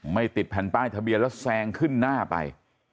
ติดแผ่นป้ายทะเบียนแล้วแซงขึ้นหน้าไป